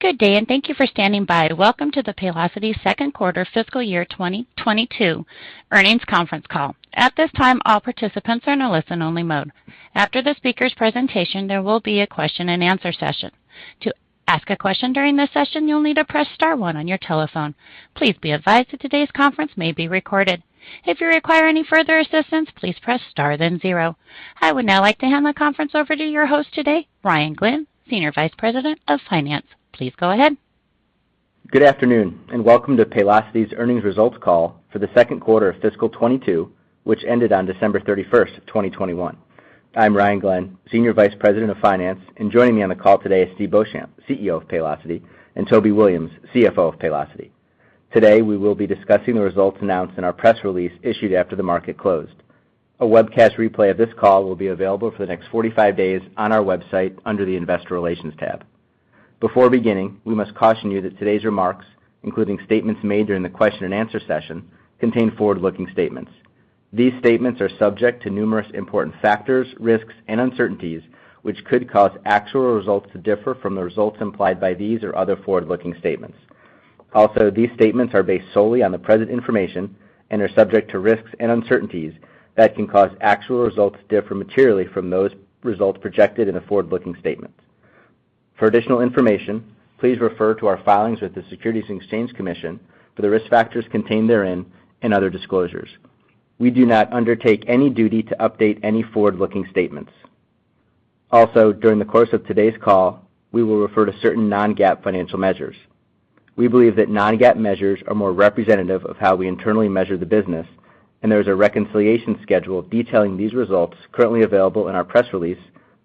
Good day, and thank you for standing by. Welcome to the Paylocity second quarter fiscal year 2022 earnings conference call. At this time, all participants are in a listen only mode. After the speaker's presentation, there will be a question-and-answer session. To ask a question during this session, you'll need to press star one on your telephone. Please be advised that today's conference may be recorded. If you require any further assistance, please press star, then zero. I would now like to hand the conference over to your host today, Ryan Glenn, Senior Vice President of Finance. Please go ahead. Good afternoon, and welcome to Paylocity's earnings results call for the second quarter of fiscal 2022, which ended on December 31, 2021. I'm Ryan Glenn, Senior Vice President of Finance, and joining me on the call today is Steve Beauchamp, CEO of Paylocity, and Toby Williams, CFO of Paylocity. Today, we will be discussing the results announced in our press release issued after the market closed. A webcast replay of this call will be available for the next 45 days on our website under the Investor Relations tab. Before beginning, we must caution you that today's remarks, including statements made during the question-and-answer session, contain forward-looking statements. These statements are subject to numerous important factors, risks, and uncertainties, which could cause actual results to differ from the results implied by these or other forward-looking statements. These statements are based solely on the present information and are subject to risks and uncertainties that can cause actual results to differ materially from those results projected in the forward-looking statements. For additional information, please refer to our filings with the Securities and Exchange Commission for the risk factors contained therein and other disclosures. We do not undertake any duty to update any forward-looking statements. During the course of today's call, we will refer to certain non-GAAP financial measures. We believe that non-GAAP measures are more representative of how we internally measure the business, and there is a reconciliation schedule detailing these results currently available in our press release,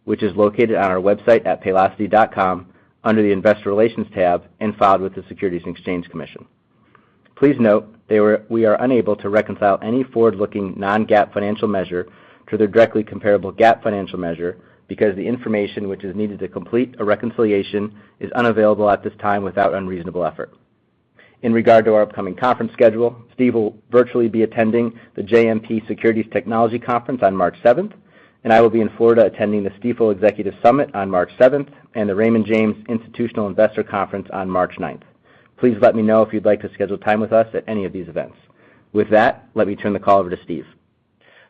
which is located on our website at paylocity.com under the Investor Relations tab and filed with the Securities and Exchange Commission. Please note, we are unable to reconcile any forward-looking non-GAAP financial measure to their directly comparable GAAP financial measure because the information which is needed to complete a reconciliation is unavailable at this time without unreasonable effort. In regard to our upcoming conference schedule, Steve will virtually be attending the JMP Securities Technology Conference on March seventh, and I will be in Florida attending the Stifel Executive Summit on March seventh and the Raymond James Institutional Investor Conference on March ninth. Please let me know if you'd like to schedule time with us at any of these events. With that, let me turn the call over to Steve.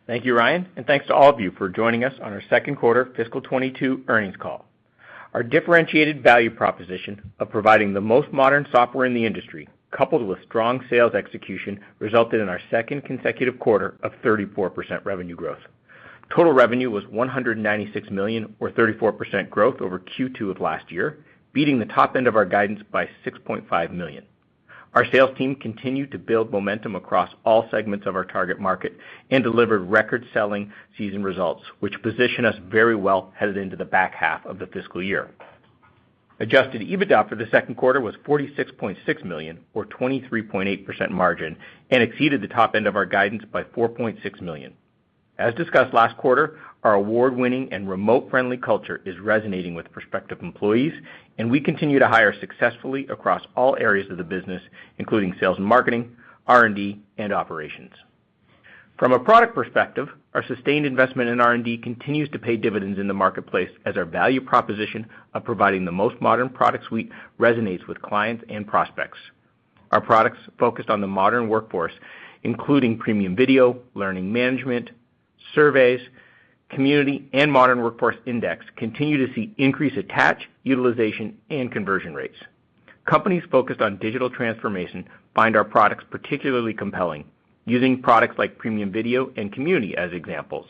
Thank you, Ryan, and thanks to all of you for joining us on our second quarter fiscal 2022 earnings call. Our differentiated value proposition of providing the most modern software in the industry, coupled with strong sales execution, resulted in our second consecutive quarter of 34% revenue growth. Total revenue was $196 million or 34% growth over Q2 of last year, beating the top end of our guidance by $6.5 million. Our sales team continued to build momentum across all segments of our target market and delivered record selling season results, which position us very well headed into the back half of the fiscal year. Adjusted EBITDA for the second quarter was $46.6 million or 23.8% margin and exceeded the top end of our guidance by $4.6 million. As discussed last quarter, our award-winning and remote-friendly culture is resonating with prospective employees, and we continue to hire successfully across all areas of the business, including sales and marketing, R&D, and operations. From a product perspective, our sustained investment in R&D continues to pay dividends in the marketplace as our value proposition of providing the most modern product suite resonates with clients and prospects. Our products focused on the modern workforce, including Premium Video, Learning Management, Surveys, Community, and Modern Workforce Index, continue to see increased attach, utilization, and conversion rates. Companies focused on digital transformation find our products particularly compelling, using products like Premium Video and Community as examples.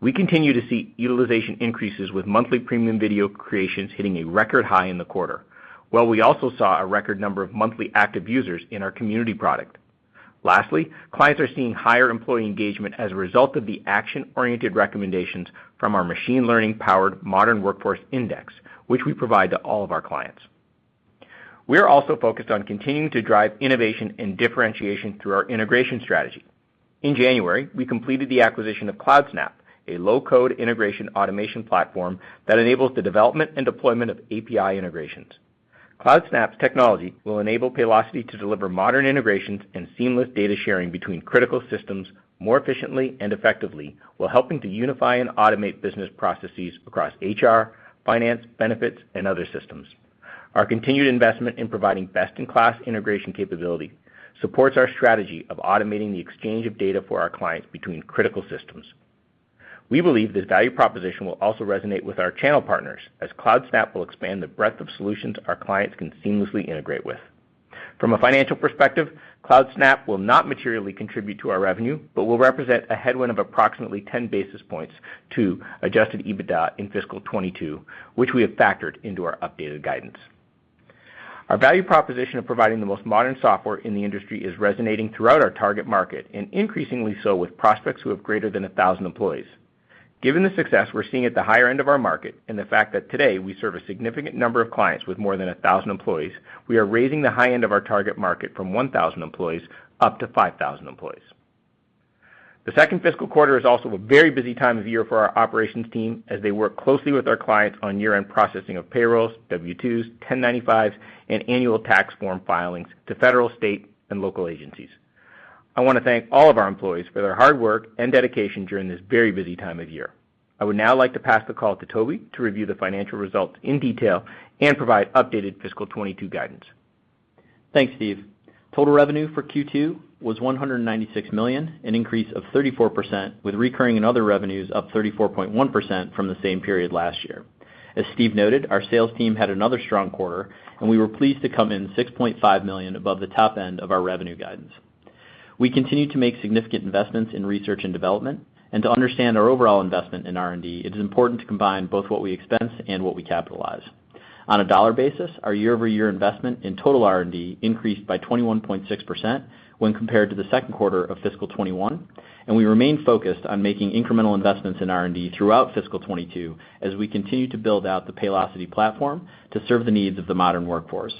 We continue to see utilization increases with monthly Premium Video creations hitting a record high in the quarter, while we also saw a record number of monthly active users in our Community product. Lastly, clients are seeing higher employee engagement as a result of the action-oriented recommendations from our machine learning-powered Modern Workforce Index, which we provide to all of our clients. We are also focused on continuing to drive innovation and differentiation through our integration strategy. In January, we completed the acquisition of Cloudsnap, a low-code integration automation platform that enables the development and deployment of API integrations. Cloudsnap's technology will enable Paylocity to deliver modern integrations and seamless data sharing between critical systems more efficiently and effectively, while helping to unify and automate business processes across HR, finance, benefits, and other systems. Our continued investment in providing best-in-class integration capability supports our strategy of automating the exchange of data for our clients between critical systems. We believe this value proposition will also resonate with our channel partners as Cloudsnap will expand the breadth of solutions our clients can seamlessly integrate with. From a financial perspective, Cloudsnap will not materially contribute to our revenue but will represent a headwind of approximately 10 basis points to adjusted EBITDA in fiscal 2022, which we have factored into our updated guidance. Our value proposition of providing the most modern software in the industry is resonating throughout our target market and increasingly so with prospects who have greater than 1,000 employees. Given the success we're seeing at the higher end of our market and the fact that today we serve a significant number of clients with more than 1,000 employees, we are raising the high end of our target market from 1,000 employees up to 5,000 employees. The second fiscal quarter is also a very busy time of year for our operations team as they work closely with our clients on year-end processing of payrolls, W-2s, 1095s, and annual tax form filings to federal, state, and local agencies. I wanna thank all of our employees for their hard work and dedication during this very busy time of year. I would now like to pass the call to Toby to review the financial results in detail and provide updated fiscal 2022 guidance. Thanks, Steve. Total revenue for Q2 was $196 million, an increase of 34%, with recurring and other revenues up 34.1% from the same period last year. As Steve noted, our sales team had another strong quarter, and we were pleased to come in $6.5 million above the top end of our revenue guidance. We continue to make significant investments in research and development. To understand our overall investment in R&D, it is important to combine both what we expense and what we capitalize. On a dollar basis, our year-over-year investment in total R&D increased by 21.6% when compared to the second quarter of fiscal 2021, and we remain focused on making incremental investments in R&D throughout fiscal 2022 as we continue to build out the Paylocity platform to serve the needs of the modern workforce.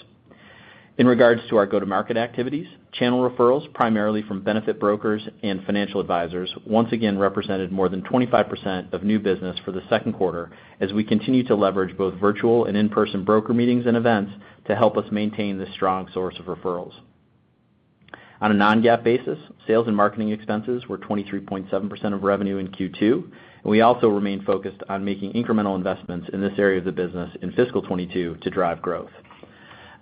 In regards to our go-to-market activities, channel referrals, primarily from benefit brokers and financial advisors, once again represented more than 25% of new business for the second quarter as we continue to leverage both virtual and in-person broker meetings and events to help us maintain this strong source of referrals. On a non-GAAP basis, sales and marketing expenses were 23.7% of revenue in Q2, and we also remain focused on making incremental investments in this area of the business in fiscal 2022 to drive growth.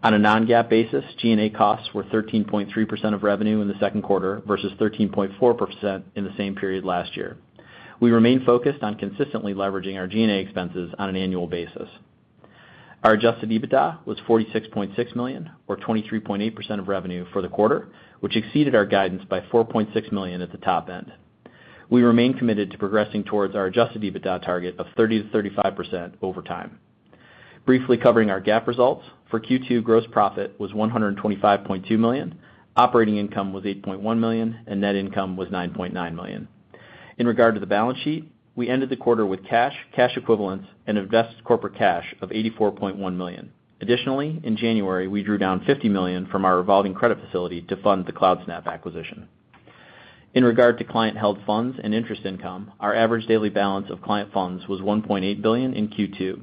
On a non-GAAP basis, G&A costs were 13.3% of revenue in the second quarter versus 13.4% in the same period last year. We remain focused on consistently leveraging our G&A expenses on an annual basis. Our adjusted EBITDA was $46.6 million, or 23.8% of revenue for the quarter, which exceeded our guidance by $4.6 million at the top end. We remain committed to progressing towards our adjusted EBITDA target of 30%-35% over time. Briefly covering our GAAP results. For Q2, gross profit was $125.2 million, operating income was $8.1 million, and net income was $9.9 million. In regard to the balance sheet, we ended the quarter with cash equivalents, and invested corporate cash of $84.1 million. Additionally, in January, we drew down $50 million from our revolving credit facility to fund the Cloudsnap acquisition. In regard to client-held funds and interest income, our average daily balance of client funds was $1.8 billion in Q2.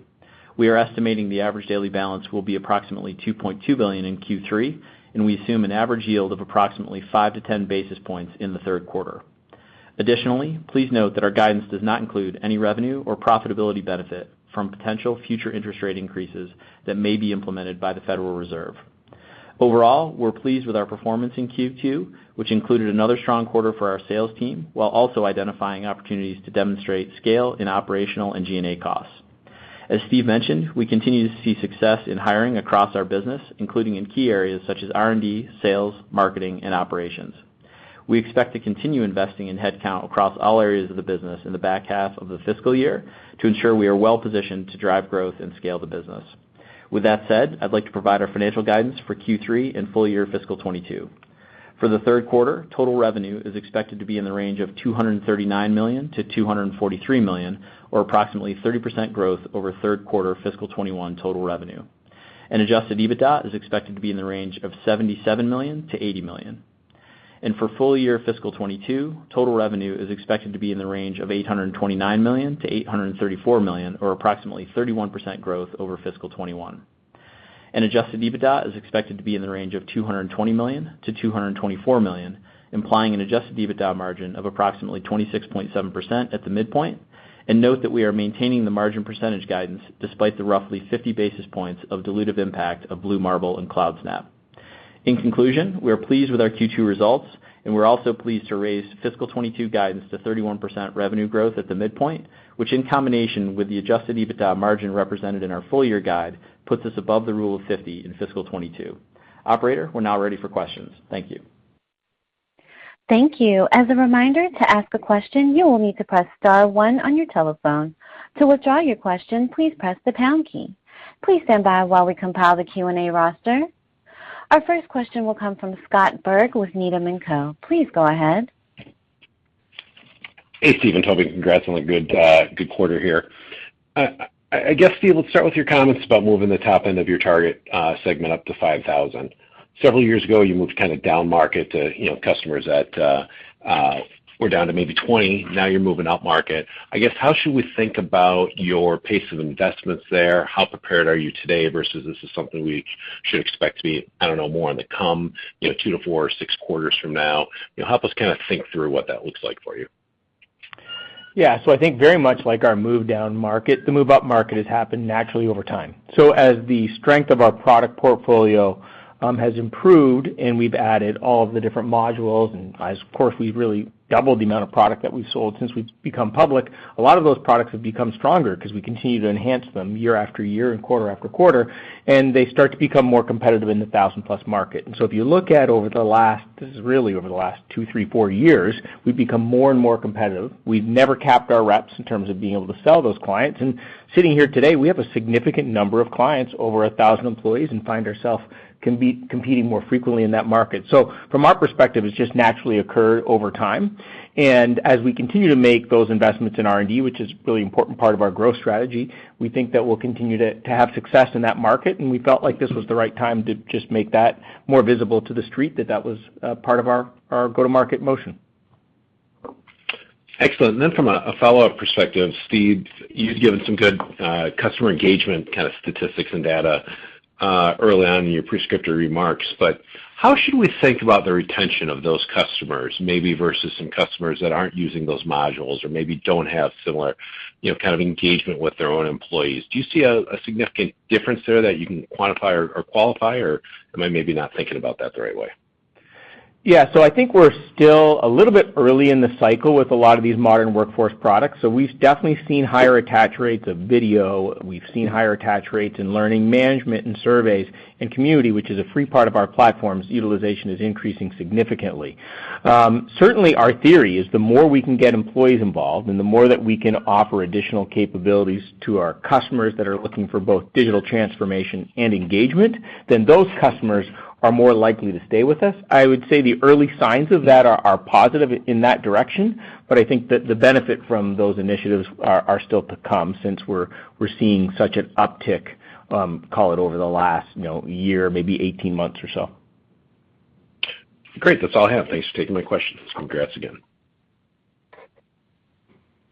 We are estimating the average daily balance will be approximately $2.2 billion in Q3, and we assume an average yield of approximately 5-10 basis points in the third quarter. Additionally, please note that our guidance does not include any revenue or profitability benefit from potential future interest rate increases that may be implemented by the Federal Reserve. Overall, we're pleased with our performance in Q2, which included another strong quarter for our sales team while also identifying opportunities to demonstrate scale in operational and G&A costs. As Steve mentioned, we continue to see success in hiring across our business, including in key areas such as R&D, sales, marketing, and operations. We expect to continue investing in headcount across all areas of the business in the back half of the fiscal year to ensure we are well-positioned to drive growth and scale the business. With that said, I'd like to provide our financial guidance for Q3 and full year fiscal 2022. For the third quarter, total revenue is expected to be in the range of $239 million-$243 million, or approximately 30% growth over third quarter fiscal 2021 total revenue. Adjusted EBITDA is expected to be in the range of $77 million-$80 million. For full year fiscal 2022, total revenue is expected to be in the range of $829 million-$834 million, or approximately 31% growth over fiscal 2021. Adjusted EBITDA is expected to be in the range of $220 million-$224 million, implying an adjusted EBITDA margin of approximately 26.7% at the midpoint. Note that we are maintaining the margin percentage guidance despite the roughly 50 basis points of dilutive impact of Blue Marble and Cloudsnap. In conclusion, we are pleased with our Q2 results, and we're also pleased to raise fiscal 2022 guidance to 31% revenue growth at the midpoint, which in combination with the adjusted EBITDA margin represented in our full year guide, puts us above the rule of 50 in fiscal 2022. Operator, we're now ready for questions. Thank you. Thank you. As a reminder, to ask a question, you will need to press star one on your telephone. To withdraw your question, please press the pound key. Please stand by while we compile the Q&A roster. Our first question will come from Scott Berg with Needham & Company. Please go ahead. Hey, Steve and Toby. Congrats on a good quarter here. I guess, Steve, let's start with your comments about moving the top end of your target segment up to 5,000. Several years ago, you moved kinda down market to, you know, customers at or down to maybe 20, now you're moving up market. I guess, how should we think about your pace of investments there? How prepared are you today versus this is something we should expect to be, I don't know, more on the come, you know, two to four or six quarters from now? You know, help us kinda think through what that looks like for you. I think very much like our move down market, the move up market has happened naturally over time. As the strength of our product portfolio has improved and we've added all of the different modules, and as, of course, we've really doubled the amount of product that we've sold since we've become public, a lot of those products have become stronger 'cause we continue to enhance them year after year and quarter after quarter, and they start to become more competitive in the 1,000-plus market. If you look at, this is really over the last two, three, four years, we've become more and more competitive. We've never capped our reps in terms of being able to sell those clients. Sitting here today, we have a significant number of clients over 1,000 employees and find ourselves competing more frequently in that market. From our perspective, it's just naturally occurred over time. As we continue to make those investments in R&D, which is a really important part of our growth strategy, we think that we'll continue to have success in that market, and we felt like this was the right time to just make that more visible to the street, that was part of our go-to-market motion. Excellent. From a follow-up perspective, Steve, you've given some good customer engagement kind of statistics and data early on in your prepared remarks. How should we think about the retention of those customers maybe versus some customers that aren't using those modules or maybe don't have similar, you know, kind of engagement with their own employees? Do you see a significant difference there that you can quantify or qualify, or am I maybe not thinking about that the right way? Yeah. I think we're still a little bit early in the cycle with a lot of these modern workforce products. We've definitely seen higher attach rates of video. We've seen higher attach rates in Learning Management and Surveys, and Community, which is a free part of our platforms, utilization is increasing significantly. Certainly our theory is the more we can get employees involved and the more that we can offer additional capabilities to our customers that are looking for both digital transformation and engagement, then those customers are more likely to stay with us. I would say the early signs of that are positive in that direction, but I think that the benefit from those initiatives are still to come since we're seeing such an uptick, call it over the last, you know, year, maybe 18 months or so. Great. That's all I have. Thanks for taking my questions. Congrats again.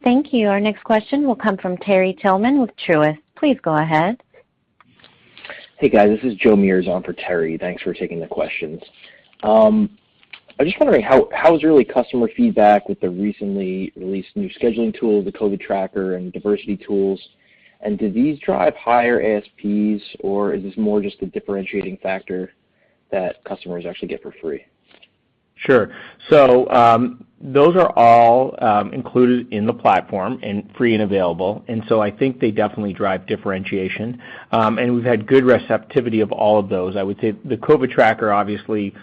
Thank you. Our next question will come from Terry Tillman with Truist. Please go ahead. Hey, guys. This is Joe Mierzwa for Terry. Thanks for taking the questions. I was just wondering how is early customer feedback with the recently released new scheduling tool, the COVID tracker, and diversity tools, and do these drive higher ASPs, or is this more just a differentiating factor that customers actually get for free? Sure. Those are all included in the platform and free and available, and so I think they definitely drive differentiation. We've had good receptivity of all of those. I would say the COVID tracker obviously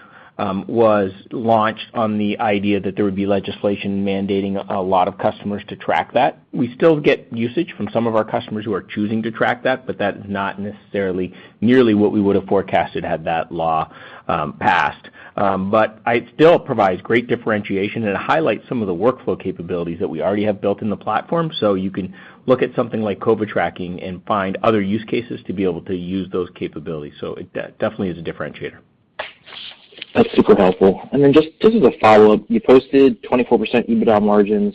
was launched on the idea that there would be legislation mandating a lot of customers to track that. We still get usage from some of our customers who are choosing to track that, but that is not necessarily nearly what we would have forecasted had that law passed. It still provides great differentiation, and it highlights some of the workflow capabilities that we already have built in the platform. You can look at something like COVID tracking and find other use cases to be able to use those capabilities. It definitely is a differentiator. That's super helpful. Then just as a follow-up, you posted 24% EBITDA margins.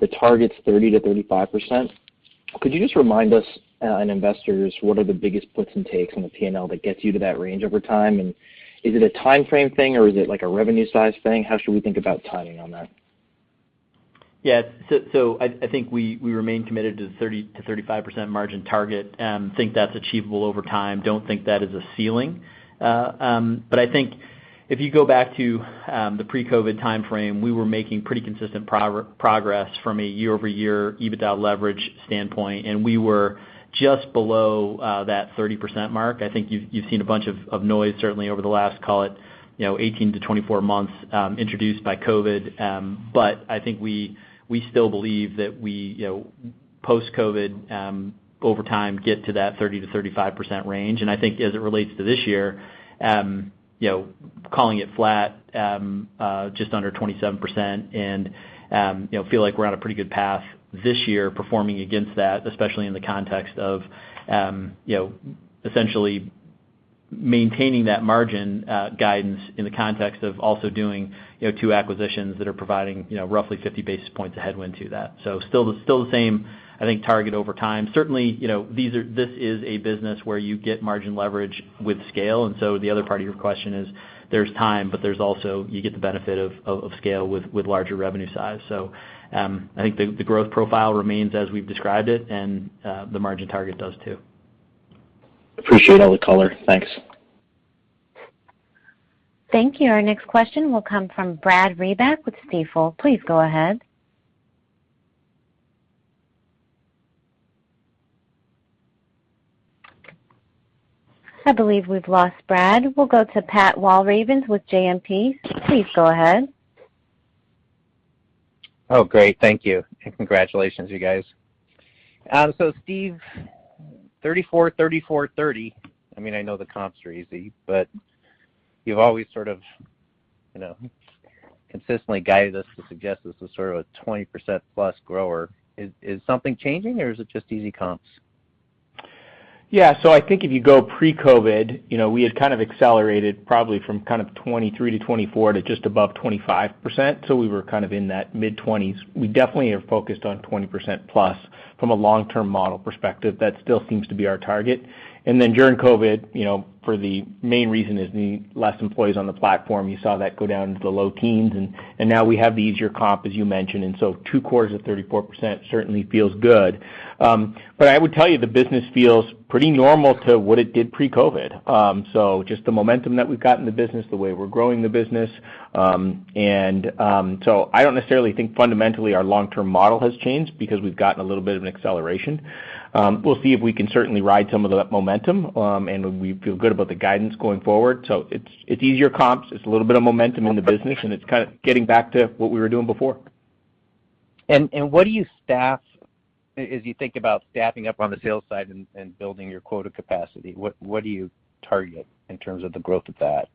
The target's 30%-35%. Could you just remind us and investors what are the biggest puts and takes on the P&L that gets you to that range over time? Is it a timeframe thing, or is it like a revenue size thing? How should we think about timing on that? Yeah. I think we remain committed to the 30%-35% margin target. Think that's achievable over time. Don't think that is a ceiling. But I think if you go back to the pre-COVID timeframe, we were making pretty consistent progress from a year-over-year EBITDA leverage standpoint, and we were just below that 30% mark. I think you've seen a bunch of noise certainly over the last, call it, you know, 18-24 months, introduced by COVID. But I think we still believe that we, you know, post-COVID, over time get to that 30%-35% range. I think as it relates to this year, you know, calling it flat, just under 27%, and, you know, feel like we're on a pretty good path this year performing against that, especially in the context of, you know, essentially maintaining that margin guidance in the context of also doing, you know, two acquisitions that are providing, you know, roughly 50 basis points of headwind to that. Still the same, I think, target over time. Certainly, you know, this is a business where you get margin leverage with scale, and so the other part of your question is there's time, but there's also you get the benefit of scale with larger revenue size. I think the growth profile remains as we've described it, and, the margin target does too. Appreciate all the color. Thanks. Thank you. Our next question will come from Brad Reback with Stifel. Please go ahead. I believe we've lost Brad. We'll go to Pat Walravens with JMP. Please go ahead. Oh, great. Thank you, and congratulations, you guys. Steve, 34%, 30%. I mean, I know the comps are easy, but you've always sort of, you know, consistently guided us to suggest this is sort of a 20%+ grower. Is something changing, or is it just easy comps? Yeah. I think if you go pre-COVID, you know, we had kind of accelerated probably from kind of 23 to 24 to just above 25%, so we were kind of in that mid-20s. We definitely are focused on 20% plus from a long-term model perspective. That still seems to be our target. Then during COVID, you know, for the main reason is the less employees on the platform, you saw that go down into the low teens, and now we have the easier comp, as you mentioned. Two quarters of 34% certainly feels good. I would tell you the business feels pretty normal to what it did pre-COVID. Just the momentum that we've got in the business, the way we're growing the business. I don't necessarily think fundamentally our long-term model has changed because we've gotten a little bit of an acceleration. We'll see if we can certainly ride some of that momentum, and we feel good about the guidance going forward. It's easier comps. It's a little bit of momentum in the business, and it's kind of getting back to what we were doing before. What do you think as you think about staffing up on the sales side and building your quota capacity? What do you target in terms of the growth of that?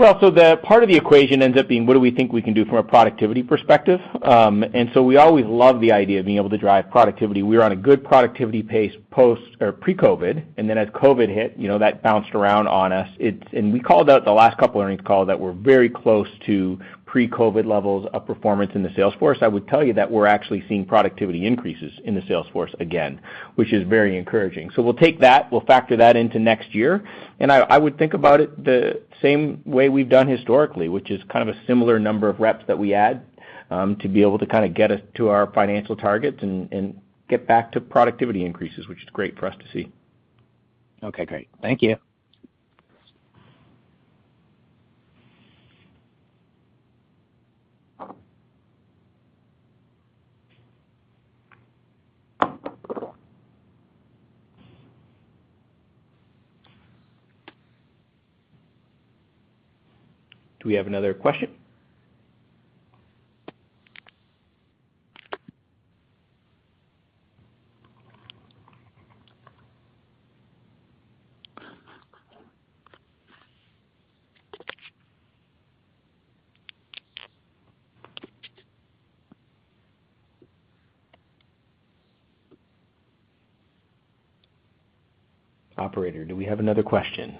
Well, the part of the equation ends up being what do we think we can do from a productivity perspective? We always love the idea of being able to drive productivity. We are on a good productivity pace post or pre-COVID, and then as COVID hit, you know, that bounced around on us. We called out the last couple earnings calls that we're very close to pre-COVID levels of performance in the sales force. I would tell you that we're actually seeing productivity increases in the sales force again, which is very encouraging. We'll take that, we'll factor that into next year. I would think about it the same way we've done historically, which is kind of a similar number of reps that we add to be able to kinda get us to our financial targets and get back to productivity increases, which is great for us to see. Okay, great. Thank you. Do we have another question? Operator, do we have another question?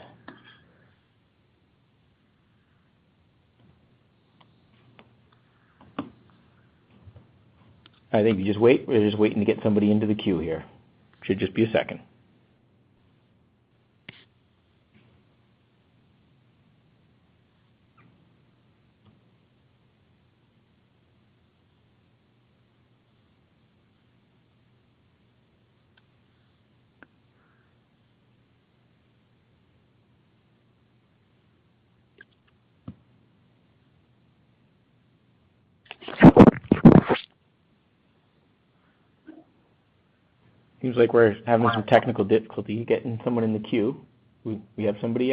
I think we just wait. We're just waiting to get somebody into the queue here. Should just be a second. Seems like we're having some technical difficulty getting someone in the queue. We have somebody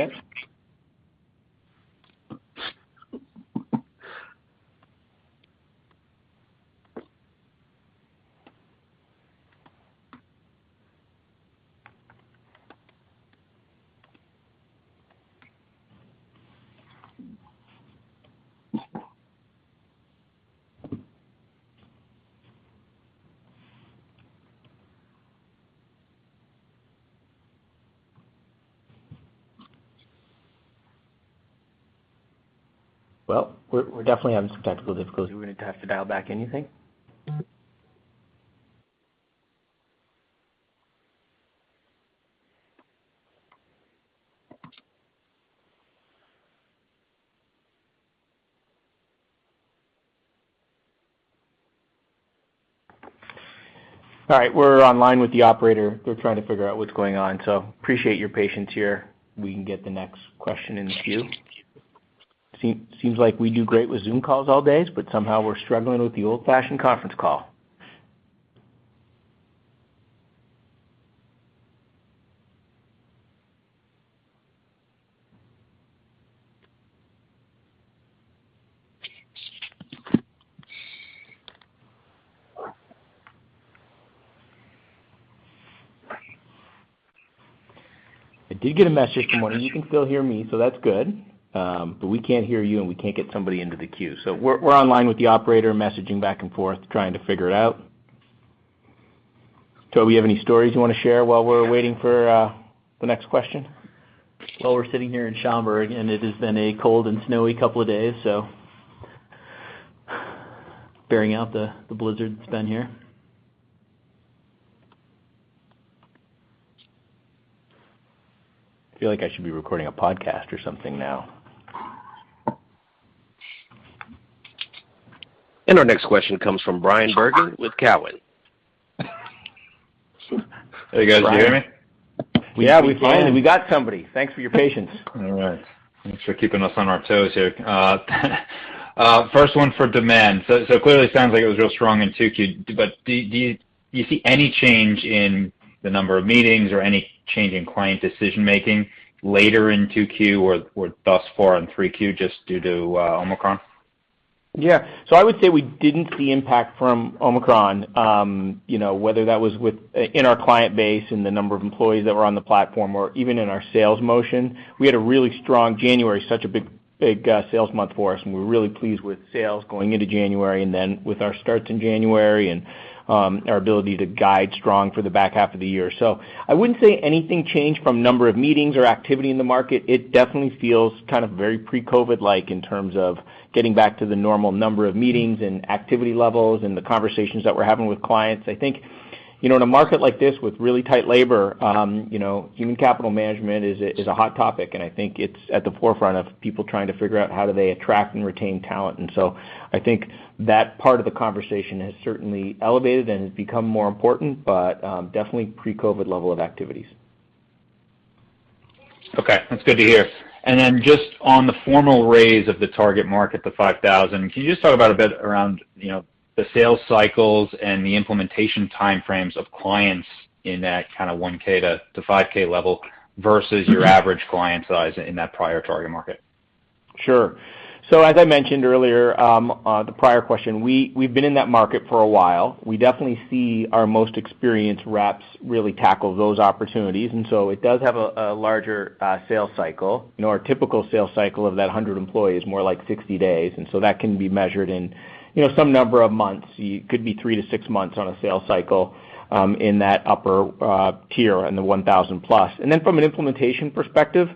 yet? Well, we're definitely having some technical difficulties. We're gonna have to dial back in, you think? All right, we're online with the operator. They're trying to figure out what's going on. Appreciate your patience here. We can get the next question in the queue. Seems like we do great with Zoom calls all day, but somehow we're struggling with the old-fashioned conference call. I did get a message from one of you. You can still hear me, so that's good. We can't hear you, and we can't get somebody into the queue. We're online with the operator, messaging back and forth, trying to figure it out. Toby, you have any stories you wanna share while we're waiting for the next question? Well, we're sitting here in Schaumburg, and it has been a cold and snowy couple of days, so bearing out the blizzard that's been here. Feel like I should be recording a podcast or something now. Our next question comes from Brian Bergen with Cowen. Hey, guys. You hear me? We have you. Finally, we got somebody. Thanks for your patience. All right. Thanks for keeping us on our toes here. First one for demand. Clearly sounds like it was real strong in 2Q. Do you see any change in the number of meetings or any change in client decision-making later in 2Q or thus far in 3Q just due to Omicron? Yeah. I would say we didn't see impact from Omicron, you know, whether that was within our client base, in the number of employees that were on the platform or even in our sales motion. We had a really strong January, such a big sales month for us, and we're really pleased with sales going into January and then with our starts in January and our ability to guide strong for the back half of the year. I wouldn't say anything changed from number of meetings or activity in the market. It definitely feels kind of very pre-COVID like in terms of getting back to the normal number of meetings and activity levels and the conversations that we're having with clients. I think, you know, in a market like this with really tight labor, you know, human capital management is a hot topic, and I think it's at the forefront of people trying to figure out how do they attract and retain talent. I think that part of the conversation has certainly elevated and become more important, but definitely pre-COVID level of activities. Okay, that's good to hear. Then just on the formal raise of the target market, the 5,000, can you just talk about a bit around, you know, the sales cycles and the implementation time frames of clients in that kinda 1K to 5K level versus your average client size in that prior target market? Sure. As I mentioned earlier, the prior question, we've been in that market for a while. We definitely see our most experienced reps really tackle those opportunities. It does have a larger sales cycle. You know, our typical sales cycle of that 100-employee is more like 60 days, and that can be measured in, you know, some number of months. Could be three-six months on a sales cycle, in that upper tier, in the 1,000+. Then from an implementation perspective,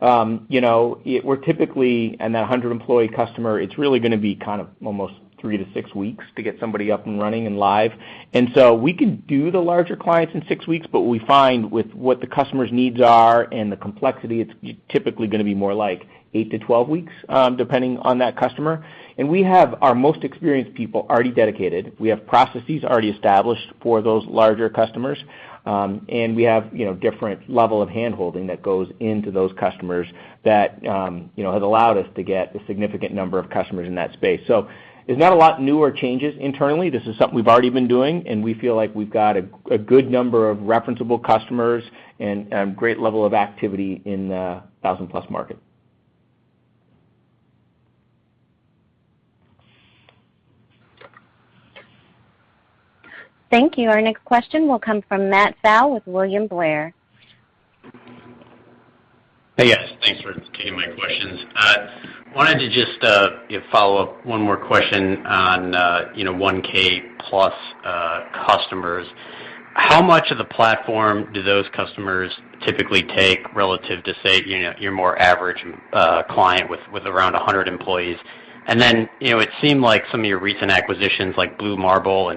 you know, we're typically, in that 100-employee customer, it's really gonna be kind of almost three-six weeks to get somebody up and running and live. We can do the larger clients in six weeks, but we find with what the customer's needs are and the complexity, it's typically gonna be more like eight to 12 weeks, depending on that customer. We have our most experienced people already dedicated. We have processes already established for those larger customers, and we have, you know, different level of handholding that goes into those customers that, you know, has allowed us to get a significant number of customers in that space. There's not a lot newer changes internally. This is something we've already been doing, and we feel like we've got a good number of referenceable customers and great level of activity in the 1,000-plus market. Thank you. Our next question will come from Matthew Pfau with William Blair. Hey, guys. Thanks for taking my questions. I wanted to just, you know, follow up one more question on, you know, 1,000-plus customers. How much of the platform do those customers typically take relative to, say, you know, your more average client with around 100 employees? You know, it seemed like some of your recent acquisitions, like Blue Marble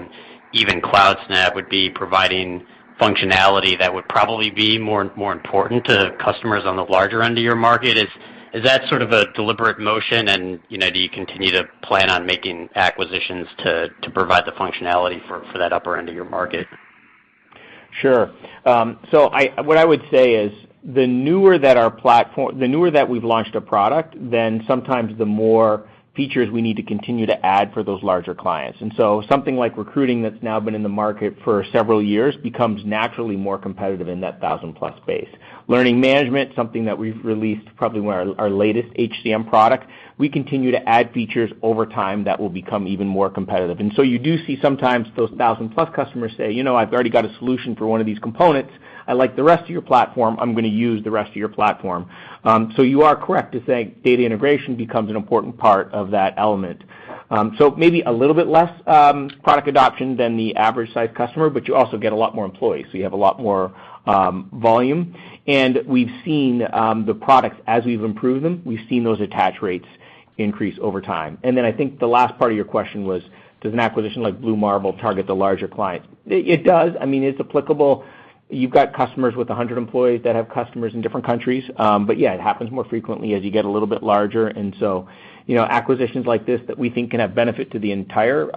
and even CloudSnap, would be providing functionality that would probably be more important to customers on the larger end of your market. Is that sort of a deliberate motion, and, you know, do you continue to plan on making acquisitions to provide the functionality for that upper end of your market? Sure. What I would say is the newer that we've launched a product, then sometimes the more features we need to continue to add for those larger clients. Something like Recruiting that's now been in the market for several years becomes naturally more competitive in that thousand-plus base. Learning Management, something that we've released, probably one of our latest HCM products, we continue to add features over time that will become even more competitive. You do see sometimes those thousand-plus customers say, You know, I've already got a solution for one of these components. I like the rest of your platform. I'm gonna use the rest of your platform. You are correct to say data integration becomes an important part of that element. Maybe a little bit less product adoption than the average size customer, but you also get a lot more employees, so you have a lot more volume. We've seen the products as we've improved them, we've seen those attach rates increase over time. Then I think the last part of your question was, does an acquisition like Blue Marble target the larger clients? It does. I mean, it's applicable. You've got customers with 100 employees that have customers in different countries. But yeah, it happens more frequently as you get a little bit larger. You know, acquisitions like this that we think can have benefit to the entire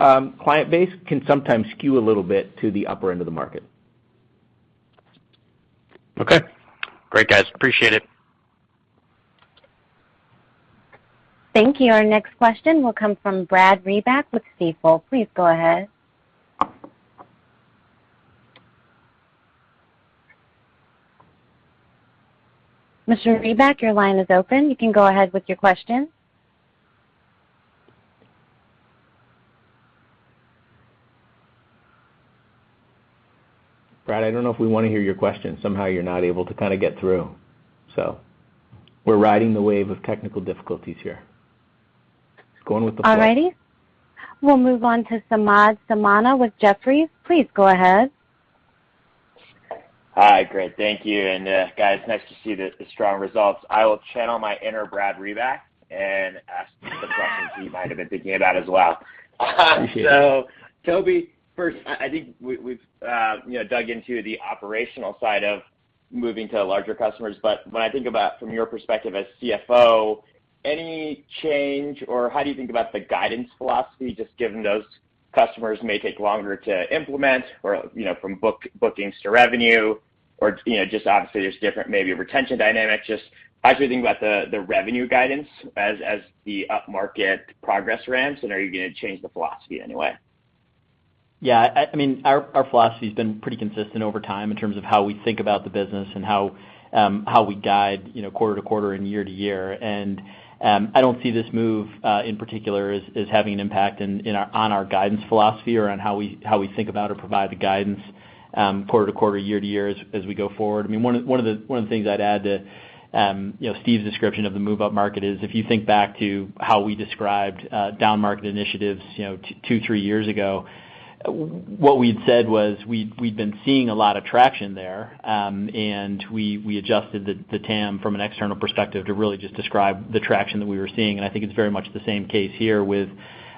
client base can sometimes skew a little bit to the upper end of the market. Okay. Great, guys. Appreciate it. Thank you. Our next question will come from Brad Reback with Stifel. Please go ahead. Mr. Reback, your line is open. You can go ahead with your question. Brad, I don't know if we wanna hear your question. Somehow you're not able to kinda get through. We're riding the wave of technical difficulties here. Let's go on with the flow. All righty. We'll move on to Samad Samana with Jefferies. Please go ahead. Hi. Great. Thank you. Guys, nice to see the strong results. I will channel my inner Brad Reback and ask the questions he might have been thinking about as well. Toby, first, I think we've you know dug into the operational side of moving to larger customers. When I think about from your perspective as CFO, any change or how do you think about the guidance philosophy, just given those customers may take longer to implement or, you know, from booking to revenue or, you know, just obviously there's different maybe retention dynamics. Just how do you think about the revenue guidance as the up-market progress ramps, and are you gonna change the philosophy in any way? Yeah. I mean, our philosophy's been pretty consistent over time in terms of how we think about the business and how we guide, you know, quarter to quarter and year to year. I don't see this move in particular as having an impact on our guidance philosophy or on how we think about or provide the guidance, quarter to quarter, year to year as we go forward. I mean, one of the things I'd add to, you know, Steve's description of the move-up market is, if you think back to how we described down-market initiatives, you know, two, three years ago, what we'd said was we'd been seeing a lot of traction there, and we adjusted the TAM from an external perspective to really just describe the traction that we were seeing. I think it's very much the same case here with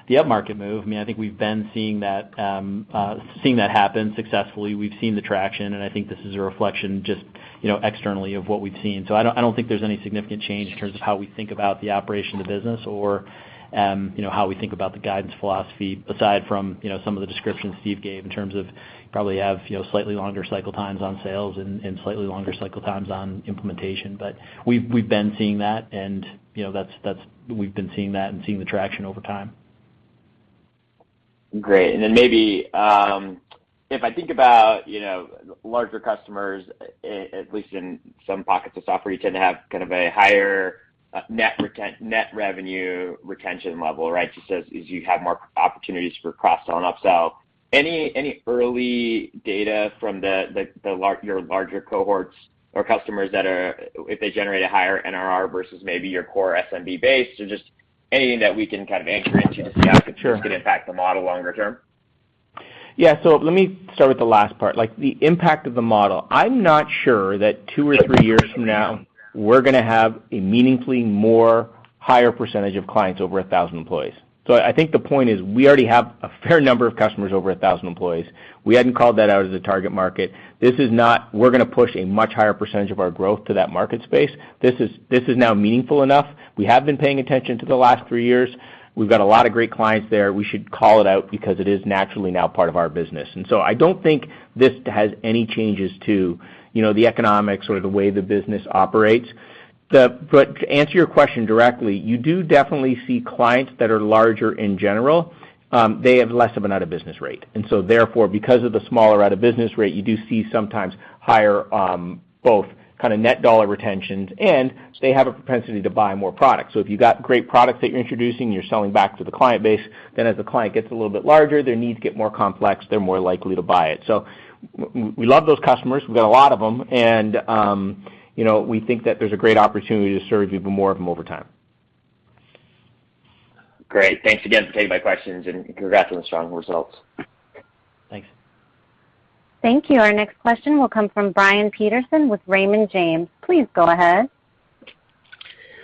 the up-market move. I mean, I think we've been seeing that happen successfully. We've seen the traction, and I think this is a reflection just, you know, externally of what we've seen. I don't think there's any significant change in terms of how we think about the operation of the business or, you know, how we think about the guidance philosophy aside from, you know, some of the descriptions Steve gave in terms of probably have, you know, slightly longer cycle times on sales and slightly longer cycle times on implementation. But we've been seeing that and, you know, we've been seeing that and seeing the traction over time. Great. Maybe if I think about, you know, larger customers, at least in some pockets of software, you tend to have kind of a higher net revenue retention level, right? Just as you have more opportunities for cross-sell and upsell. Any early data from your larger cohorts or customers. If they generate a higher NRR versus maybe your core SMB base or just anything that we can kind of anchor into to see how this could impact the model longer term? Yeah. Let me start with the last part, like, the impact of the model. I'm not sure that two or three years from now, we're gonna have a meaningfully more higher percentage of clients over 1,000 employees. I think the point is we already have a fair number of customers over 1,000 employees. We hadn't called that out as a target market. This is not we're gonna push a much higher percentage of our growth to that market space. This is now meaningful enough. We have been paying attention to the last three years. We've got a lot of great clients there. We should call it out because it is naturally now part of our business. I don't think this has any changes to, you know, the economics or the way the business operates. To answer your question directly, you do definitely see clients that are larger in general, they have less of an out-of-business rate. Therefore, because of the smaller out-of-business rate, you do see sometimes higher, both kind of net dollar retentions, and they have a propensity to buy more products. If you've got great products that you're introducing, you're selling back to the client base, then as the client gets a little bit larger, their needs get more complex, they're more likely to buy it. We love those customers. We've got a lot of them, and you know, we think that there's a great opportunity to serve even more of them over time. Great. Thanks again for taking my questions and congrats on the strong results. Thanks. Thank you. Our next question will come from Brian Peterson with Raymond James. Please go ahead.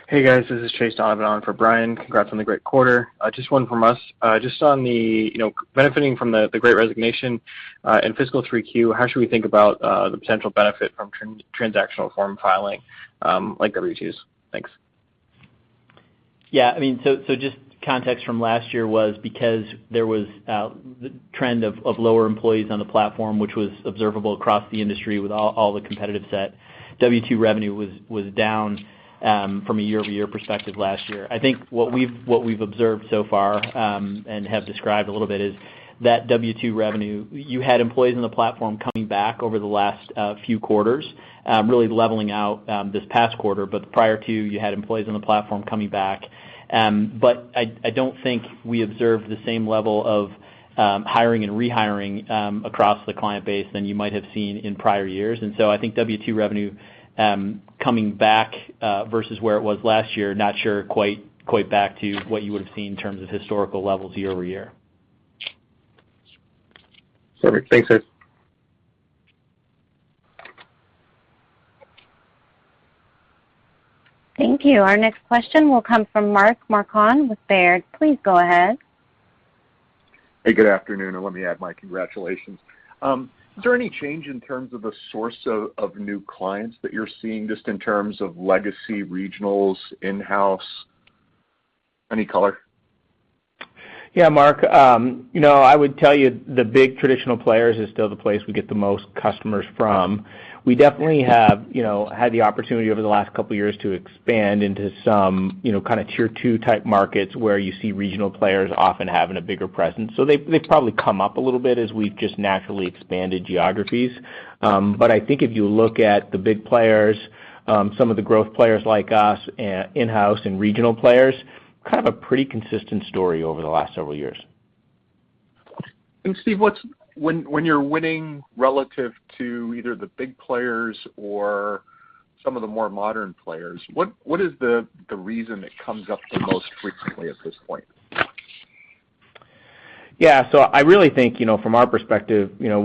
Hey, guys. This is Chase Donovan for Brian. Congrats on the great quarter. Just one from us. Just on the, you know, benefiting from the great resignation in fiscal 3Q, how should we think about the potential benefit from transactional form filing, like W-2s? Thanks. Yeah, I mean, just context from last year was because there was the trend of lower employees on the platform, which was observable across the industry with all the competitive set. W-2 revenue was down from a year-over-year perspective last year. I think what we've observed so far and have described a little bit is that W-2 revenue, you had employees on the platform coming back over the last few quarters, really leveling out this past quarter. Prior to, you had employees on the platform coming back. I don't think we observed the same level of hiring and rehiring across the client base than you might have seen in prior years. I think W-2 revenue coming back versus where it was last year, not sure quite back to what you would have seen in terms of historical levels year over year. Perfect. Thanks, guys. Thank you. Our next question will come from Mark Marcon with Baird. Please go ahead. Hey, good afternoon, and let me add my congratulations. Is there any change in terms of the source of new clients that you're seeing just in terms of legacy regionals, in-house? Any color? Yeah, Mark. You know, I would tell you the big traditional players is still the place we get the most customers from. We definitely have, you know, had the opportunity over the last couple of years to expand into some, you know, kind of tier two-type markets where you see regional players often having a bigger presence. They've probably come up a little bit as we've just naturally expanded geographies. I think if you look at the big players, some of the growth players like us, in-house and regional players, kind of a pretty consistent story over the last several years. Steve, when you're winning relative to either the big players or some of the more modern players, what is the reason that comes up the most frequently at this point? Yeah. I really think, you know, from our perspective, you know,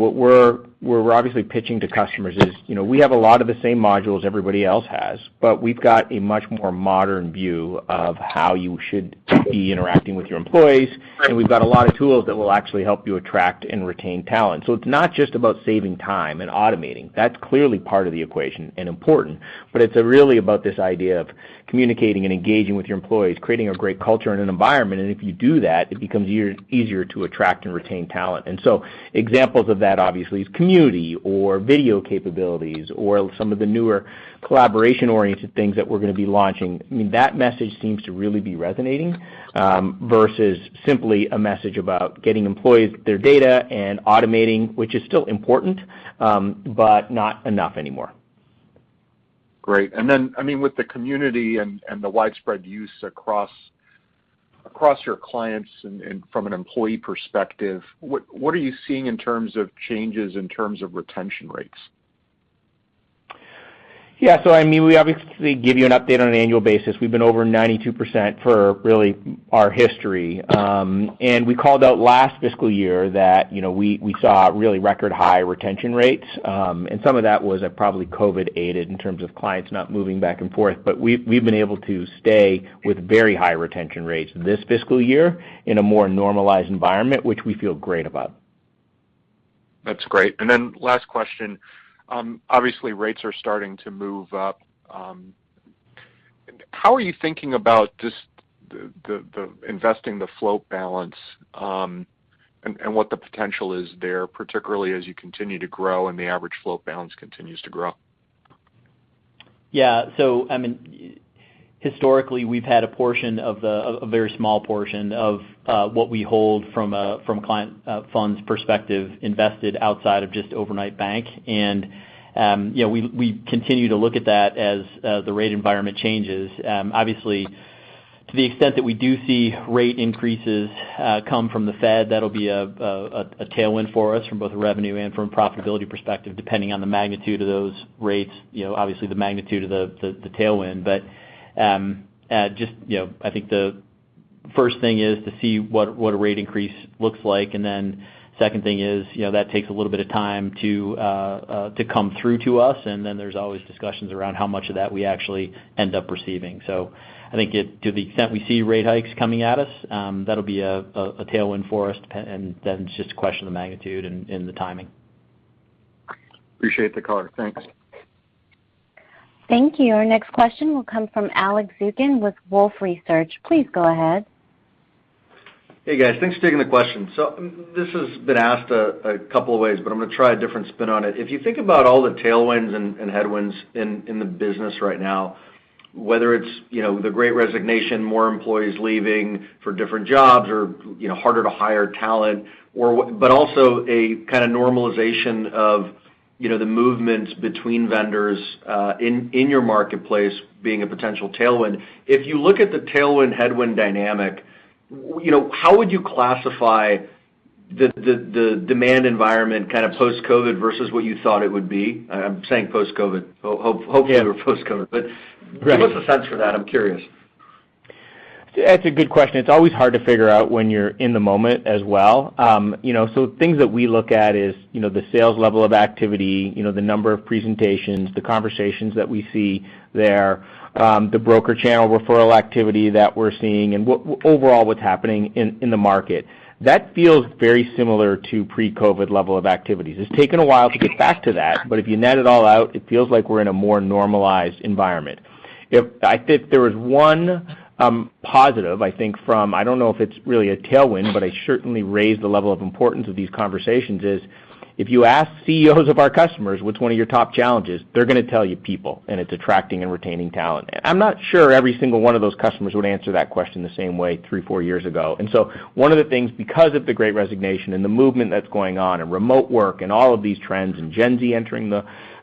what we're obviously pitching to customers is, you know, we have a lot of the same modules everybody else has, but we've got a much more modern view of how you should be interacting with your employees. We've got a lot of tools that will actually help you attract and retain talent. It's not just about saving time and automating. That's clearly part of the equation and important. It's really about this idea of communicating and engaging with your employees, creating a great culture and an environment. If you do that, it becomes easier to attract and retain talent. Examples of that, obviously, is Community or video capabilities or some of the newer collaboration-oriented things that we're gonna be launching. I mean, that message seems to really be resonating versus simply a message about getting employees their data and automating, which is still important, but not enough anymore. Great. Then, I mean, with the Community and the widespread use across your clients and from an employee perspective, what are you seeing in terms of changes in retention rates? Yeah. I mean, we obviously give you an update on an annual basis. We've been over 92% for really our history. We called out last fiscal year that, you know, we saw really record high retention rates. Some of that was probably COVID aided in terms of clients not moving back and forth. We've been able to stay with very high retention rates this fiscal year in a more normalized environment, which we feel great about. That's great. Last question. Obviously rates are starting to move up. How are you thinking about just the investing the float balance, and what the potential is there, particularly as you continue to grow and the average float balance continues to grow? Yeah. I mean, historically, we've had a portion of the—a very small portion of what we hold from a client funds perspective invested outside of just overnight bank. You know, we continue to look at that as the rate environment changes. Obviously, to the extent that we do see rate increases come from the Fed, that'll be a tailwind for us from both a revenue and from a profitability perspective, depending on the magnitude of those rates, you know, obviously the magnitude of the tailwind. Just, you know, I think the first thing is to see what a rate increase looks like. Second thing is, you know, that takes a little bit of time to come through to us, and then there's always discussions around how much of that we actually end up receiving. I think to the extent we see rate hikes coming at us, that'll be a tailwind for us dependent, and then it's just a question of the magnitude and the timing. Appreciate the color. Thanks. Thank you. Our next question will come from Alex Zukin with Wolfe Research. Please go ahead. Hey, guys. Thanks for taking the question. This has been asked a couple of ways, but I'm gonna try a different spin on it. If you think about all the tailwinds and headwinds in the business right now, whether it's, you know, the Great Resignation, more employees leaving for different jobs or, you know, harder to hire talent or what. Also a kinda normalization of, you know, the movements between vendors in your marketplace being a potential tailwind. If you look at the tailwind, headwind dynamic, you know, how would you classify the demand environment kind of post-COVID versus what you thought it would be? I'm saying post-COVID. Hope- Yeah. Hopefully we're post-COVID. Right. Give us a sense for that. I'm curious. That's a good question. It's always hard to figure out when you're in the moment as well. You know, things that we look at is, you know, the sales level of activity, you know, the number of presentations, the conversations that we see there, the broker channel referral activity that we're seeing and overall what's happening in the market. That feels very similar to pre-COVID level of activities. It's taken a while to get back to that, but if you net it all out, it feels like we're in a more normalized environment. If I think there was one positive, I think I don't know if it's really a tailwind, but I certainly raised the level of importance of these conversations is, if you ask CEOs of our customers, what's one of your top challenges? They're gonna tell you people, and it's attracting and retaining talent. I'm not sure every single one of those customers would answer that question the same way three, four years ago. One of the things, because of the Great Resignation and the movement that's going on and remote work and all of these trends and Gen Z entering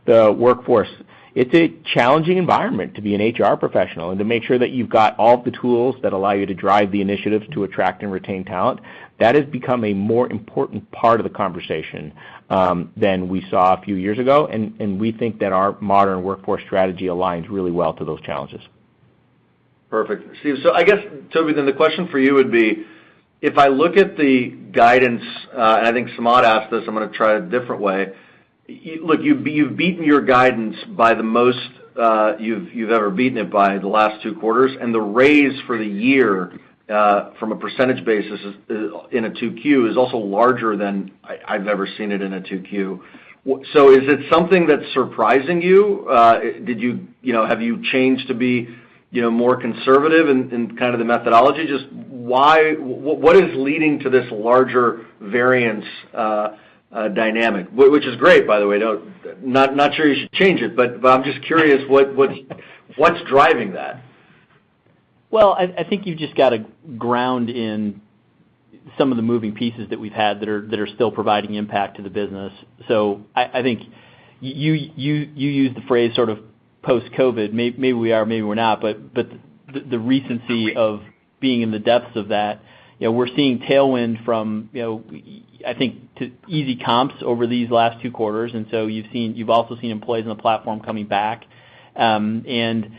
the workforce, it's a challenging environment to be an HR professional and to make sure that you've got all the tools that allow you to drive the initiatives to attract and retain talent. That has become a more important part of the conversation than we saw a few years ago, and we think that our modern workforce strategy aligns really well to those challenges. Perfect. Steve, so I guess, Toby, then the question for you would be, if I look at the guidance, and I think Samad asked this, I'm gonna try a different way. Look, you've beaten your guidance by the most, you've ever beaten it by the last two quarters, and the raise for the year, from a percentage basis is in a 2Q is also larger than I've ever seen it in a 2Q. Is it something that's surprising you? Did you know, have you changed to be, you know, more conservative in kind of the methodology? Just what is leading to this larger variance, dynamic? Which is great, by the way. Not sure you should change it, but I'm just curious what's driving that? I think you've just got to ground in some of the moving pieces that we've had that are still providing impact to the business. I think you used the phrase sort of post-COVID. Maybe we are, maybe we're not. But the recency of being in the depths of that, you know, we're seeing tailwind from, you know, I think to easy comps over these last two quarters. You've seen you've also seen employees on the platform coming back. And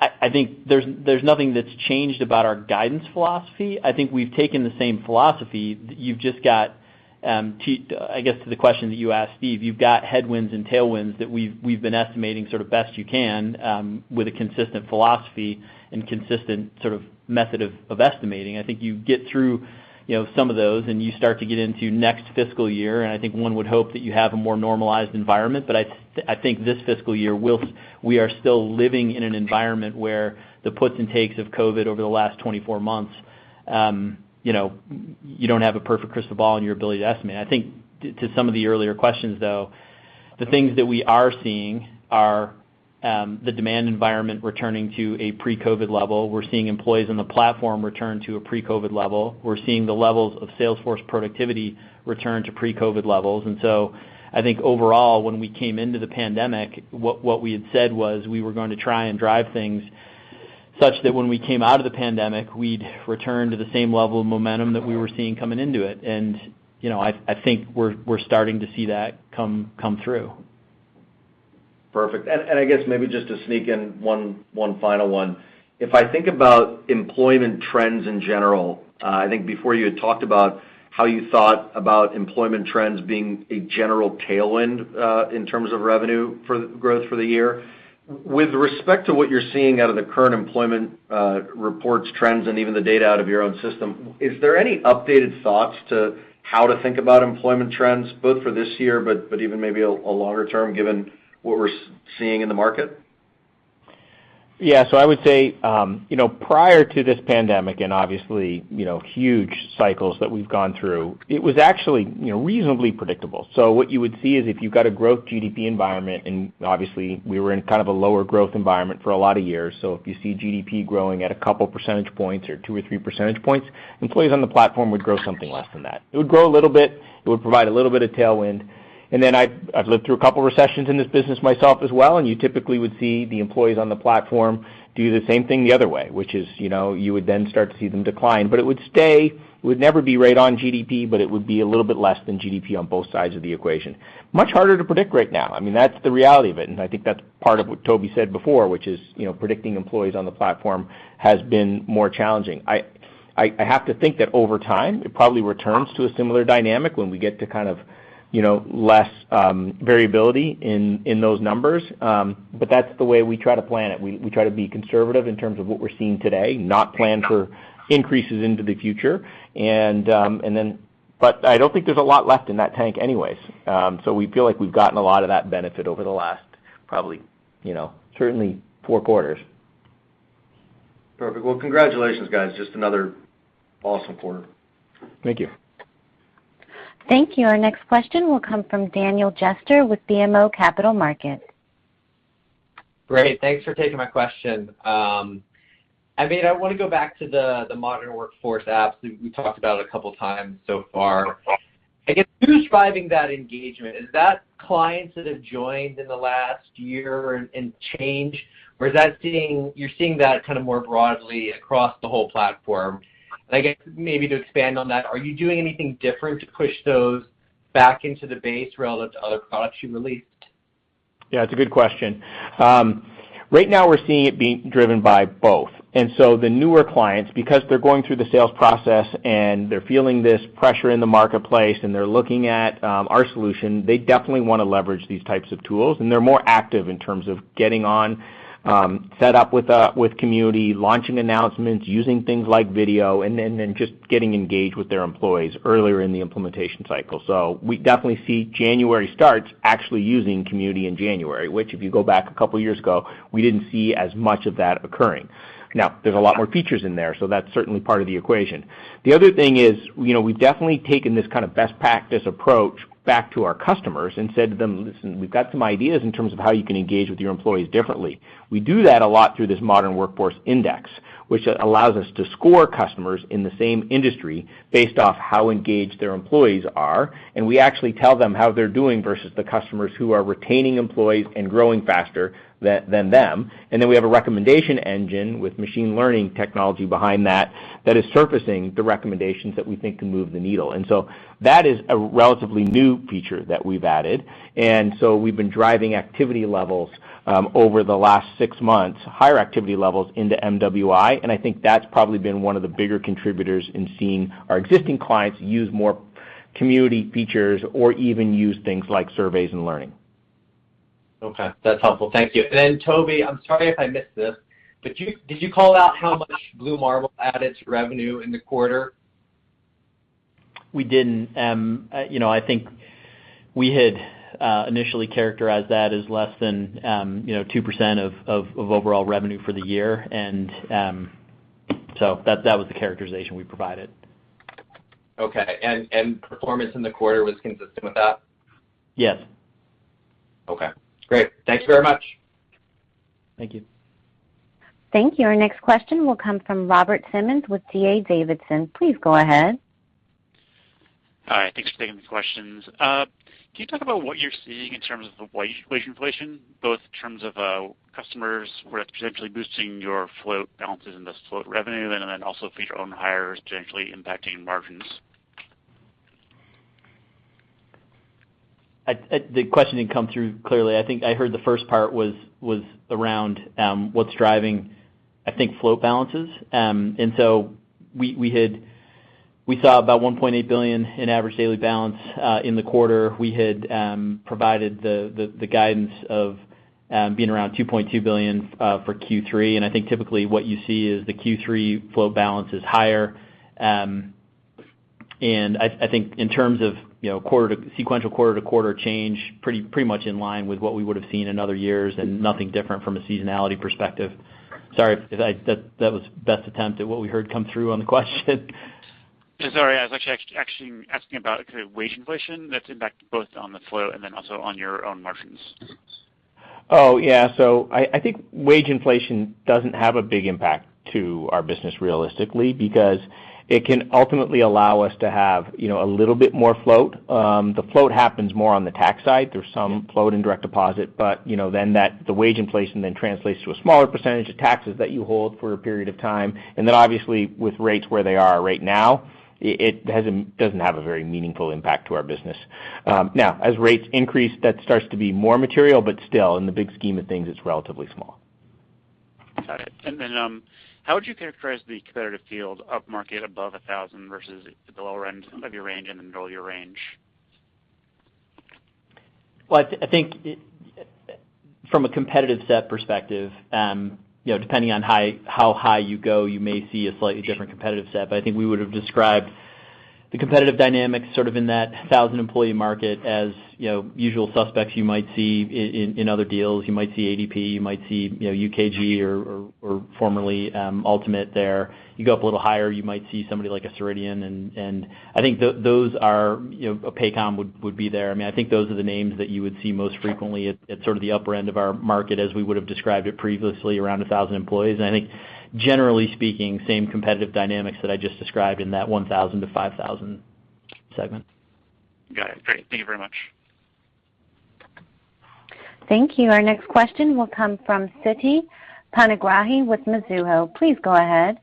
I think there's nothing that's changed about our guidance philosophy. I think we've taken the same philosophy. You've just got to I guess to the question that you asked, Steve, you've got headwinds and tailwinds that we've been estimating sort of best you can with a consistent philosophy and consistent sort of method of estimating. I think you get through, you know, some of those, and you start to get into next fiscal year, and I think one would hope that you have a more normalized environment. I think this fiscal year, we are still living in an environment where the puts and takes of COVID over the last 24 months, you know, you don't have a perfect crystal ball in your ability to estimate. I think to some of the earlier questions, though, the things that we are seeing are the demand environment returning to a pre-COVID level. We're seeing employees on the platform return to a pre-COVID level. We're seeing the levels of sales force productivity return to pre-COVID levels. I think overall, when we came into the pandemic, what we had said was we were going to try and drive things such that when we came out of the pandemic, we'd return to the same level of momentum that we were seeing coming into it. You know, I think we're starting to see that come through. Perfect. I guess maybe just to sneak in one final one. If I think about employment trends in general, I think before you had talked about how you thought about employment trends being a general tailwind in terms of revenue growth for the year. With respect to what you're seeing out of the current employment reports, trends, and even the data out of your own system, is there any updated thoughts on how to think about employment trends, both for this year, but even maybe a longer term, given what we're seeing in the market? Yeah. I would say, you know, prior to this pandemic and obviously, you know, huge cycles that we've gone through, it was actually, you know, reasonably predictable. What you would see is if you've got a growing GDP environment, and obviously we were in kind of a lower growth environment for a lot of years. If you see GDP growing at a couple percentage points or 2 or 3 percentage points, employees on the platform would grow something less than that. It would grow a little bit. It would provide a little bit of tailwind. I've lived through a couple of recessions in this business myself as well, and you typically would see the employees on the platform do the same thing the other way, which is, you know, you would then start to see them decline. It would stay... It would never be right on GDP, but it would be a little bit less than GDP on both sides of the equation. Much harder to predict right now. I mean, that's the reality of it, and I think that's part of what Toby said before, which is, you know, predicting employees on the platform has been more challenging. I have to think that over time, it probably returns to a similar dynamic when we get to kind of, you know, less variability in those numbers. But that's the way we try to plan it. We try to be conservative in terms of what we're seeing today, not plan for increases into the future. But I don't think there's a lot left in that tank anyways. We feel like we've gotten a lot of that benefit over the last probably, you know, certainly four quarters. Perfect. Well, congratulations, guys. Just another awesome quarter. Thank you. Thank you. Our next question will come from Daniel Jester with BMO Capital Markets. Great. Thanks for taking my question. I mean, I wanna go back to the modern workforce apps. We talked about it a couple of times so far. I guess, who's driving that engagement? Is that clients that have joined in the last year and change, or you're seeing that kind of more broadly across the whole platform? I guess maybe to expand on that, are you doing anything different to push those back into the base relative to other products you released? Yeah, it's a good question. Right now we're seeing it being driven by both. The newer clients, because they're going through the sales process and they're feeling this pressure in the marketplace, and they're looking at our solution, they definitely wanna leverage these types of tools, and they're more active in terms of getting on set up with Community, launching announcements, using things like video, and then just getting engaged with their employees earlier in the implementation cycle. We definitely see January starts actually using Community in January, which if you go back a couple years ago, we didn't see as much of that occurring. Now, there's a lot more features in there, so that's certainly part of the equation. The other thing is, you know, we've definitely taken this kind of best practice approach back to our customers and said to them, Listen, we've got some ideas in terms of how you can engage with your employees differently. We do that a lot through this Modern Workforce Index, which allows us to score customers in the same industry based off how engaged their employees are. We actually tell them how they're doing versus the customers who are retaining employees and growing faster than them. We have a recommendation engine with machine learning technology behind that that is surfacing the recommendations that we think can move the needle. That is a relatively new feature that we've added. We've been driving activity levels over the last six months, higher activity levels into MWI, and I think that's probably been one of the bigger contributors in seeing our existing clients use more Community features or even use things like Surveys and Learning. Okay. That's helpful. Thank you. Toby, I'm sorry if I missed this, but did you call out how much Blue Marble added to revenue in the quarter? We didn't. You know, I think we had initially characterized that as less than, you know, 2% of overall revenue for the year. That was the characterization we provided. Okay. Performance in the quarter was consistent with that? Yes. Okay. Great. Thanks very much. Thank you. Thank you. Our next question will come from Robert Simmons with D.A. Davidson. Please go ahead. Hi. Thanks for taking the questions. Can you talk about what you're seeing in terms of wage inflation, both in terms of customers where it's potentially boosting your float balances and thus float revenue, and then also fee to own hires potentially impacting margins? The question didn't come through clearly. I think I heard the first part was around what's driving, I think, float balances. We saw about $1.8 billion in average daily balance in the quarter. We had provided the guidance of being around $2.2 billion for Q3. I think typically what you see is the Q3 float balance is higher. I think in terms of, you know, sequential quarter-to-quarter change, pretty much in line with what we would have seen in other years and nothing different from a seasonality perspective. Sorry if I. That was best attempt at what we heard come through on the question. Sorry, I was actually asking about kind of wage inflation that's impacted both on the float and then also on your own margins. Oh, yeah. I think wage inflation doesn't have a big impact to our business realistically because it can ultimately allow us to have, you know, a little bit more float. The float happens more on the tax side. There's some float in direct deposit, but, you know, then the wage inflation then translates to a smaller percentage of taxes that you hold for a period of time. Obviously, with rates where they are right now, it doesn't have a very meaningful impact to our business. Now, as rates increase, that starts to be more material, but still in the big scheme of things, it's relatively small. Got it. How would you characterize the competitive field upmarket above a thousand versus the lower end of your range and the middle of your range? Well, I think from a competitive set perspective, you know, depending on how high you go, you may see a slightly different competitive set. But I think we would have described The competitive dynamics sort of in that 1,000-employee market as usual suspects you might see in other deals, you might see ADP, you might see UKG or formerly Ultimate there. You go up a little higher, you might see somebody like a Ceridian and I think those are, a Paycom would be there. I mean, I think those are the names that you would see most frequently at sort of the upper end of our market as we would have described it previously around 1,000 employees. I think generally speaking same competitive dynamics that I just described in that 1,000 to 5,000 segment. Got it. Great. Thank you very much. Thank you. Our next question will come from Siti Panigrahi with Mizuho. Please go ahead.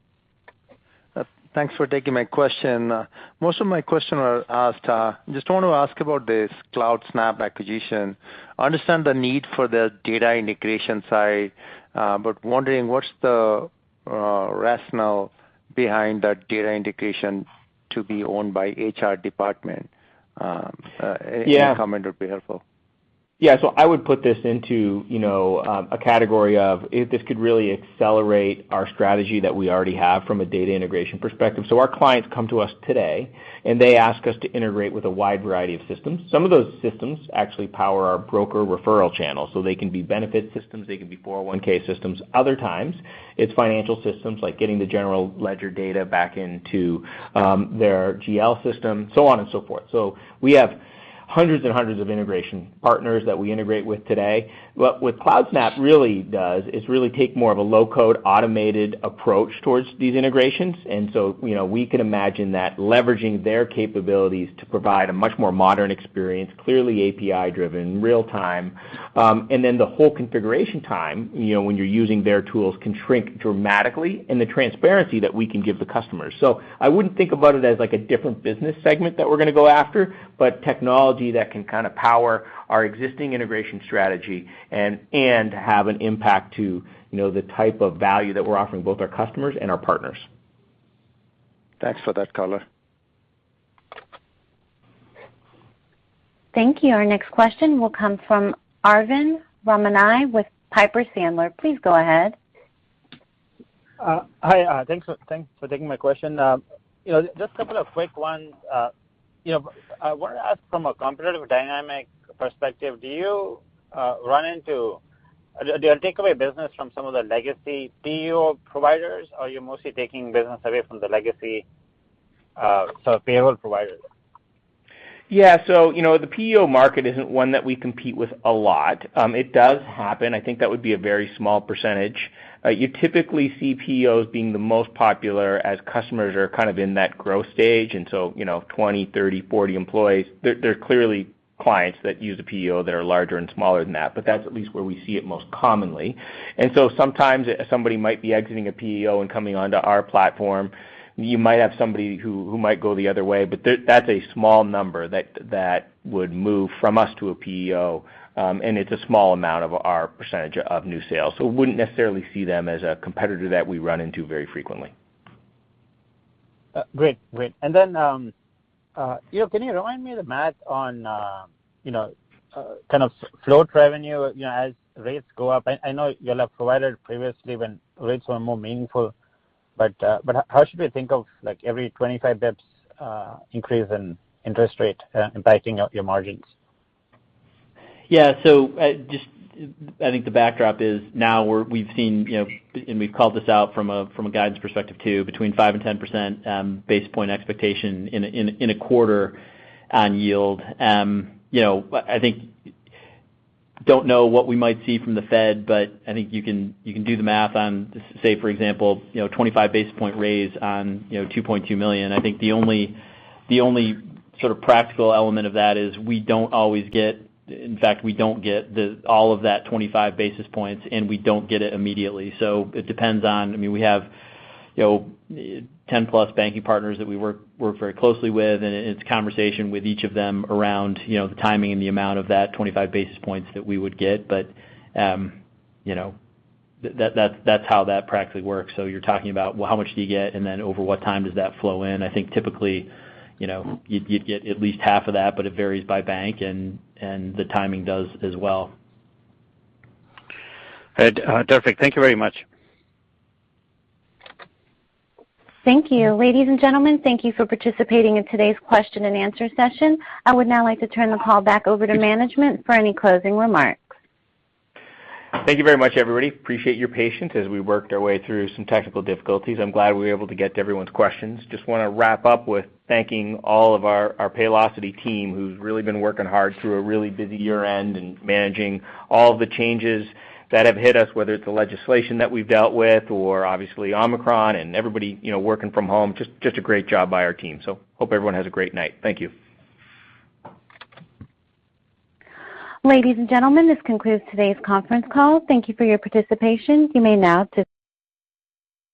Thanks for taking my question. Most of my question are asked, I just want to ask about this Cloudsnap acquisition. I understand the need for the data integration side, but wondering what's the rationale behind that data integration to be owned by HR department. Yeah. Any comment would be helpful. Yeah. I would put this into, you know, a category of if this could really accelerate our strategy that we already have from a data integration perspective. Our clients come to us today, and they ask us to integrate with a wide variety of systems. Some of those systems actually power our broker referral channel, so they can be benefit systems, they can be 401 systems. Other times, it's financial systems like getting the general ledger data back into their GL system, so on and so forth. We have hundreds and hundreds of integration partners that we integrate with today. But what Cloudsnap really does is really take more of a low-code automated approach towards these integrations. We can imagine that leveraging their capabilities to provide a much more modern experience, clearly API-driven, real-time. The whole configuration time, you know, when you're using their tools can shrink dramatically in the transparency that we can give the customers. I wouldn't think about it as like a different business segment that we're gonna go after, but technology that can kind of power our existing integration strategy and have an impact to, you know, the type of value that we're offering both our customers and our partners. Thanks for that color. Thank you. Our next question will come from Arvind Ramnani with Piper Sandler. Please go ahead. Hi. Thanks for taking my question. You know, just a couple of quick ones. You know, I wanted to ask from a competitive dynamic perspective, do you take away business from some of the legacy PEO providers, or you're mostly taking business away from the legacy, so payroll providers? Yeah. You know, the PEO market isn't one that we compete with a lot. It does happen. I think that would be a very small percentage. You typically see PEOs being the most popular as customers are kind of in that growth stage. You know, 20, 30, 40 employees, they're clearly clients that use a PEO that are larger and smaller than that. That's at least where we see it most commonly. Sometimes somebody might be exiting a PEO and coming onto our platform. You might have somebody who might go the other way, but that's a small number that would move from us to a PEO, and it's a small amount of our percentage of new sales. Wouldn't necessarily see them as a competitor that we run into very frequently. Great. You know, can you remind me the math on, you know, kind of float revenue, you know, as rates go up? I know you all have provided previously when rates were more meaningful, but how should we think of like every 25 basis points increase in interest rate impacting your margins? I think the backdrop is now we've seen, you know, and we've called this out from a guidance perspective too, between five and 10 basis points expectation in a quarter on yield. I think I don't know what we might see from the Fed, but I think you can do the math on, say, for example, you know, 25 basis point raise on, you know, $2.2 million. I think the only sort of practical element of that is we don't always get. In fact, we don't get all of that 25 basis points, and we don't get it immediately. It depends on I mean, we have, you know, 10+ banking partners that we work very closely with, and it's conversation with each of them around, you know, the timing and the amount of that 25 basis points that we would get. You know, that's how that practically works. You're talking about, well, how much do you get, and then over what time does that flow in? I think typically, you know, you'd get at least half of that, but it varies by bank, and the timing does as well. Right. Perfect. Thank you very much. Thank you. Ladies and gentlemen, thank you for participating in today's question and answer session. I would now like to turn the call back over to management for any closing remarks. Thank you very much, everybody. Appreciate your patience as we worked our way through some technical difficulties. I'm glad we were able to get to everyone's questions. Just wanna wrap up with thanking all of our Paylocity team, who's really been working hard through a really busy year-end and managing all the changes that have hit us, whether it's the legislation that we've dealt with or obviously Omicron and everybody, you know, working from home. Just a great job by our team. Hope everyone has a great night. Thank you. Ladies and gentlemen, this concludes today's conference call. Thank you for your participation. You may now dis-